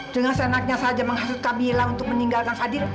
dengan senangnya saja menghasut kamilah untuk meninggalkan fadil